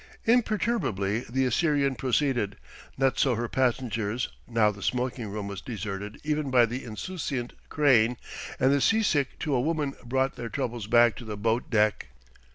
Imperturbably the Assyrian proceeded. Not so her passengers: now the smoking room was deserted even by the insouciant Crane, and the seasick to a woman brought their troubles back to the boat deck.